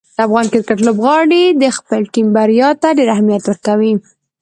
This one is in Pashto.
د افغان کرکټ لوبغاړي د خپلې ټیم بریا ته ډېر اهمیت ورکوي.